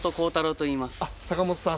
あっ坂本さん。